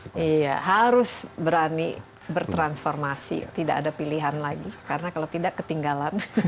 iya harus berani bertransformasi tidak ada pilihan lagi karena kalau tidak ketinggalan